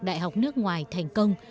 đại học nước ngoài thành công